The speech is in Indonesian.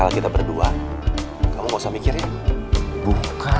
saya permisi dulu nye